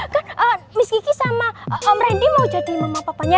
kan misky sama om randy mau jadi mama papanya